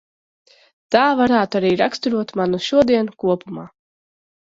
Tā varētu arī raksturot manu šodienu kopumā.